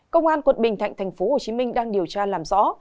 công an quận bình thạnh tp hcm đang điều tra làm rõ